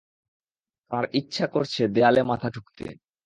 তাঁর ইচ্ছা করছে দেয়ালে মাথা ঠুকতে।